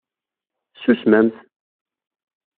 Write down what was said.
Ssusmemt!